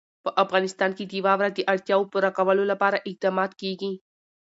په افغانستان کې د واوره د اړتیاوو پوره کولو لپاره اقدامات کېږي.